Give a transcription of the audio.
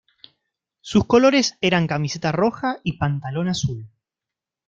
Sus colores eran camiseta roja y pantalón azul.